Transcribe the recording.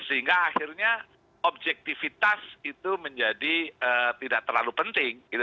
sehingga akhirnya objektivitas itu menjadi tidak terlalu penting